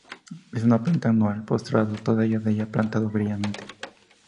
Es una planta anual, postrada, toda ella de un plateado brillante.